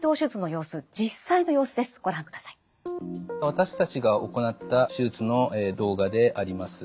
私たちが行った手術の動画であります。